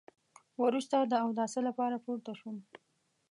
وروسته د اوداسه لپاره پورته شوم.